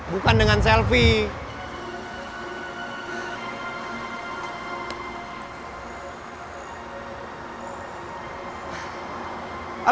bukan dengan selfie